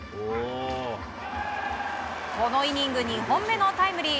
このイニング２本目のタイムリー。